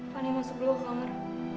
vanya masuk dulu ke kamar